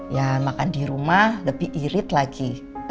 ya makan di rumah lebih irit lagi